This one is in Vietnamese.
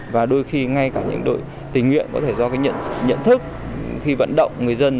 và đôi khi ngay cả những đội tình nguyện có thể do nhận thức khi vận động người dân